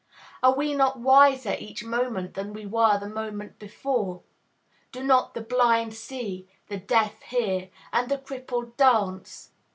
Are we not wiser each moment than we were the moment before? Do not the blind see, the deaf hear, and the crippled dance?